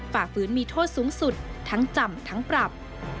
ฝ่าฝืนมีโทษสูงสุดทั้งจำทั้งปรับ